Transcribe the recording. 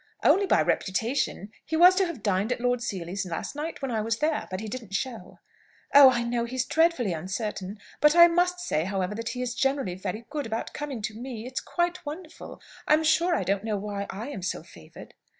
"Only by reputation. He was to have dined at Lord Seely's last night, when I was there. But he didn't show." "Oh, I know he's dreadfully uncertain. But I must say, however, that he is generally very good about coming to me. It's quite wonderful. I'm sure I don't know why I am so favoured!"